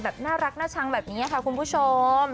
น่ารักน่าชังแบบนี้ค่ะคุณผู้ชม